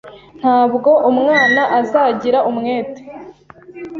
"Ntabwo umwana azagira umwete